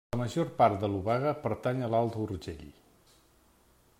La major part de l'obaga pertany a l'Alt Urgell.